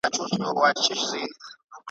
جهاني څه به پر پردیو تهمتونه وایو `